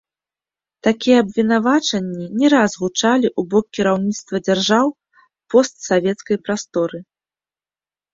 Такія абвінавачанні не раз гучалі у бок кіраўніцтва дзяржаў постсавецкай прасторы.